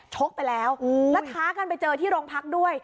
ไปแล้วแล้วท้ากันไปเจอที่โรงพักด้วย